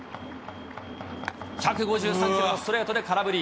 １５３キロのストレートで空振り。